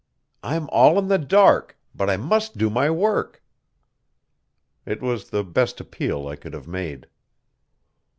I'm all in the dark, but I must do my work." It was the best appeal I could have made.